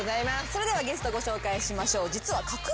それではゲストご紹介しましょう。